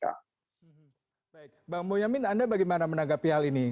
baik bang boyamin anda bagaimana menanggapi hal ini